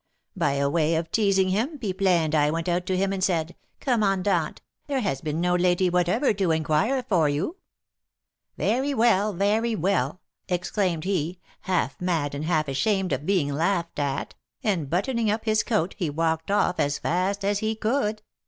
By way of teasing him, Pipelet and I went out to him and said, 'Commandant, there has been no lady whatever to inquire for you,' 'Very well! Very well!' exclaimed he, half mad and half ashamed of being laughed at, and, buttoning up his coat, he walked off as fast as he could.